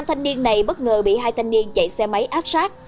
năm thanh niên này bất ngờ bị hai thanh niên chạy xe máy áp sát